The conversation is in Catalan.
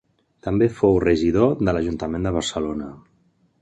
També fou regidor de l'ajuntament de Barcelona.